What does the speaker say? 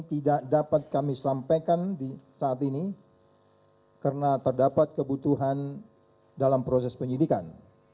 tidak dapat kami sampaikan saat ini karena terdapat kebutuhan dalam proses penyidikan